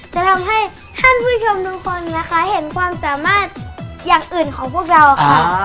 จะทำให้ท่านผู้ชมทุกคนนะคะเห็นความสามารถอย่างอื่นของพวกเราค่ะ